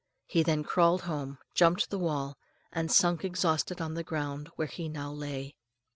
He then crawled home, jumped the wall, and sunk exhausted on the ground, where he now lay.